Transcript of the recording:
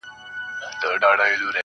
دا سپك هنر نه دى چي څوك يې پــټ كړي.